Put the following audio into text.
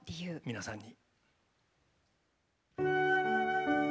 皆さんに。